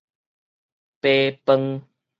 扒飯